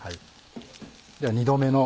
では２度目の。